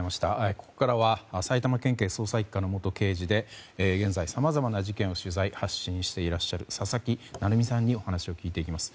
ここからは埼玉県警捜査１課の元刑事で現在、さまざまな事件を取材・発信していらっしゃる佐々木成三さんにお話を聞いていきます。